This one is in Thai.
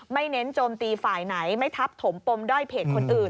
เน้นโจมตีฝ่ายไหนไม่ทับถมปมด้อยเพจคนอื่น